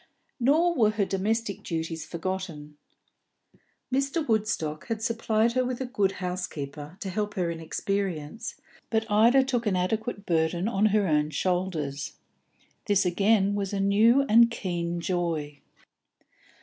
Nor were her domestic duties forgotten. Mr. Woodstock had supplied her with a good housekeeper, to help her inexperience, but Ida took an adequate burden on her own shoulders. This again was a new and keen joy.